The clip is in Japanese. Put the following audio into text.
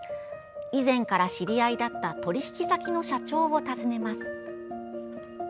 以前から知り合いだった取引先の社長を訪ねます。